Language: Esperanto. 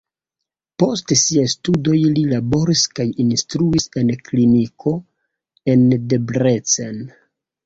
Post siaj studoj li laboris kaj instruis en kliniko en Debrecen.